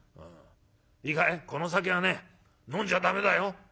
『いいかいこの酒はね飲んじゃ駄目だよ』。